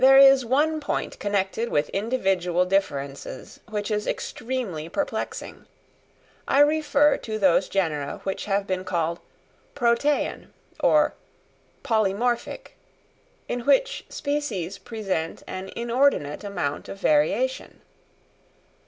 There is one point connected with individual differences which is extremely perplexing: I refer to those genera which have been called "protean" or "polymorphic," in which species present an inordinate amount of variation.